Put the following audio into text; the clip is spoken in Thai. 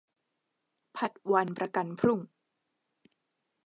ผัดวันประกันพรุ่ง